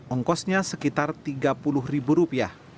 ongkosnya sekitar rp tiga puluh